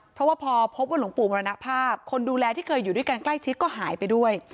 เพราะว่าพอพบว่าหลวงปู่มรณภาพคนดูแลที่เคยอยู่ด้วยกันใกล้ชิดก็หายไปด้วย